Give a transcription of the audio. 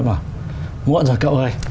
bảo muộn rồi cậu ơi